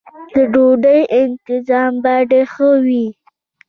د ډوډۍ انتظام به یې ډېر ښه و.